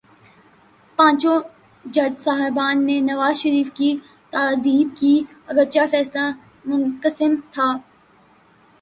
پانچوں جج صاحبان نے نواز شریف کی تادیب کی، اگرچہ فیصلہ منقسم تھا۔